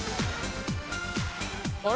あれ？